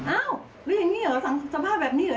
อ้าวเลี้ยงนี่เหรอสัมภาษณ์แบบนี้เหรอ